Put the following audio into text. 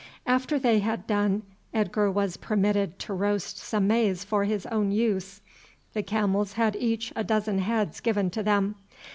After they had done Edgar was permitted to roast some maize for his own use. The camels had each a dozen heads given to them.